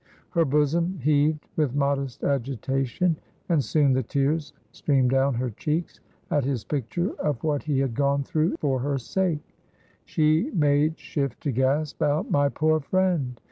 Her bosom heaved with modest agitation, and soon the tears streamed down her cheeks at his picture of what he had gone through for her sake. She made shift to gasp out, "My poor friend!"